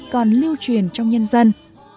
còn lưu truyền trong nhân dân